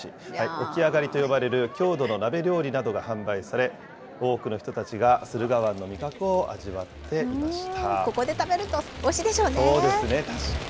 沖あがりと呼ばれる郷土の鍋料理などが販売され、多くの人たちが駿河湾の味覚を味わっていました。